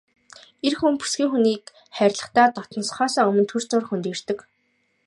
Эр хүн бүсгүй хүнийг хайрлахдаа дотносохоосоо өмнө түр зуур хөндийрдөг.